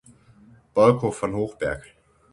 Bolko von Hochberg.